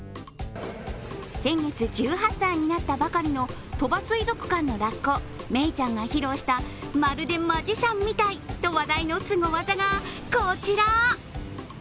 先月１８歳になったばかりの鳥羽水族館のラッコ、メイちゃんが披露したまるでマジシャンみたいと話題のすご技がこちら。